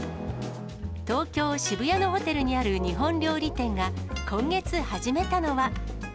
東京・渋谷のホテルにある日本料理店が、今月始めたのは。